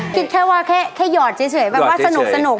คิดแค่ว่าแค่หยอดเฉยแบบว่าสนุก